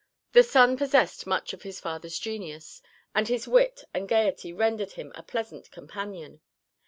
The son possessed much of his father's genius, and his wit and gaiety rendered him a pleasant companion.